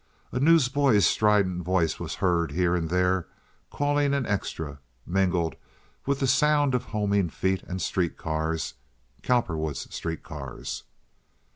A newsboy's strident voice was heard here and there calling an extra, mingled with the sound of homing feet and street cars—Cowperwood's street cars.